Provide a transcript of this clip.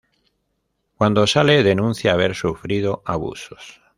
Cuando sale denuncia haber sufrido abusos.